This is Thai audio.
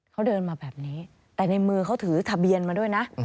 เขาเดินมาแบบนี้แต่ในมือเขาถือทะเบียนมาด้วยนะ